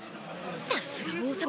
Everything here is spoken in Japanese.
さすが王様